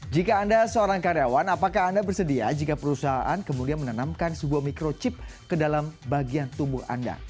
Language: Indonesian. jika anda seorang karyawan apakah anda bersedia jika perusahaan kemudian menanamkan sebuah microchip ke dalam bagian tubuh anda